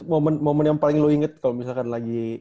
momen momen yang paling lu inget kalau misalkan lagi